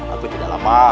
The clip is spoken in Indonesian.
aku tidak lama